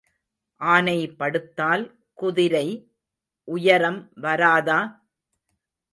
ஆனை படுத்தால் குதிரை உயரம் வராதா?